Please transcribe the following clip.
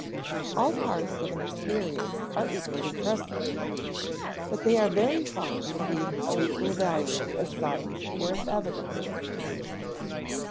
All parts of an experience are equally present, but they are very far from being of equal value as signs or as evidences.